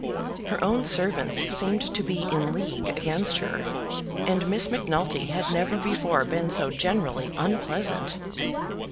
Her own servants seemed to be in league against her, and Miss Macnulty had never before been so generally unpleasant.